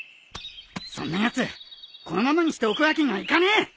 そんなやつこのままにしておくわけにはいかねえ！